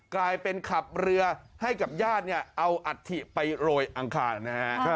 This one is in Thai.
กลายเป็นขับเรือให้กับญาติเนี่ยเอาอัฐิไปโรยอังคารนะฮะ